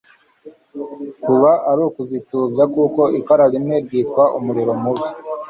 kuba ari ukuzitubya, kuko ikara rimwe ryitwa umuriro mubi,